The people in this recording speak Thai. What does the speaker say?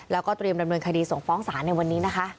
แล้วก็เตรียมดำเนินคดีส่งฟ้องศาลในวันนี้นะคะ